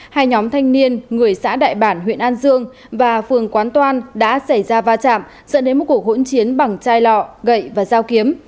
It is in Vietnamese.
hai nhóm thanh niên người xã đại bản huyện an dương và phường quán toan đã xảy ra va chạm dẫn đến một cuộc hỗn chiến bằng chai lọ gậy và dao kiếm